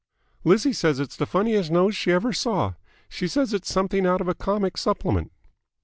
"Lizzie says it's the funniest nose she ever saw. She says it's something out of a comic supplement."